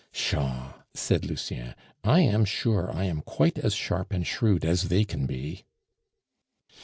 "Pshaw!" said Lucien. "I am sure I am quite as sharp and shrewd as they can be."